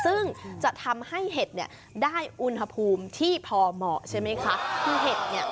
ซึ่งจะทำให้เห็ดเนี่ยได้อุณหภูมิที่พอเหมาะใช่ไหมคะคือเห็ดเนี่ย